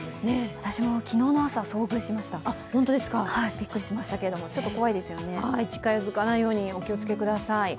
私も昨日の朝、遭遇しました、びっくりしましたけど、近づかないようにお気を付けください。